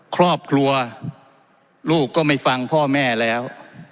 ครอบครัวลูกก็ไม่ฟังพ่อแม่แล้ว